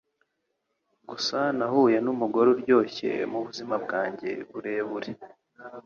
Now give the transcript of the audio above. Gusa nahuye numugore uryoshye mubuzima bwanjye burebure.